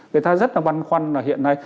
người ta rất là văn khoăn là hiện nay